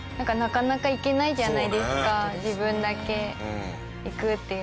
自分だけ行くっていうのが。